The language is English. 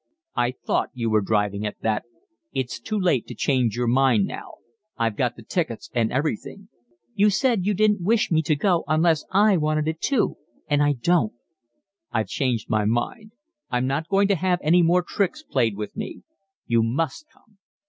"I thought you were driving at that. It's too late to change your mind now. I've got the tickets and everything." "You said you didn't wish me to go unless I wanted it too, and I don't." "I've changed my mind. I'm not going to have any more tricks played with me. You must come."